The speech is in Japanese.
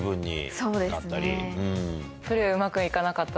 そうですね。